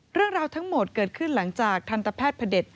เรื่องราวทั้งหมดเกิดขึ้นหลังจากทันตแพทย์พระเด็จ